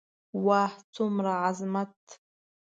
واه څومره عظمت.